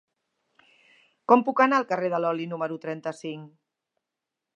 Com puc anar al carrer de l'Oli número trenta-cinc?